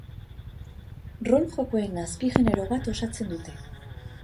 Rol-jokoen azpigenero bat osatzen dute.